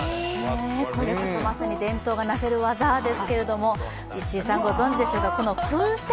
まさに伝統がなせる技ですが、石井さん、ご存じでしょうか。